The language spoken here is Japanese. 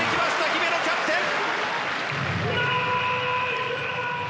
姫野キャプテン